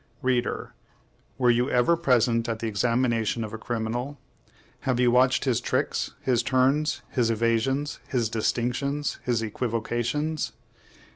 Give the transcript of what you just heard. Reader, were you ever present at the examination of a criminal? Have you watched his tricks, his turns, his evasions, his distinctions, his equivocations?